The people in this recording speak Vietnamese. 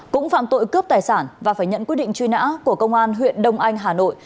cũng phạm tội cướp tài sản và phải nhận quyết định truy nã của công an huyện đông anh hà nội